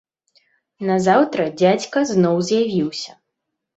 Назаўтра дзядзька зноў з'явіўся.